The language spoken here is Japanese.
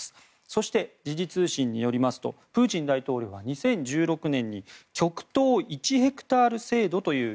そして、時事通信によりますとプーチン大統領は２０１６年に極東１ヘクタール制度という